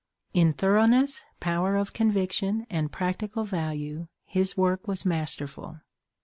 In thoroughness, power of conviction, and practical value his work was masterful.